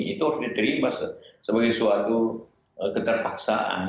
itu harus diterima sebagai suatu keterpaksaan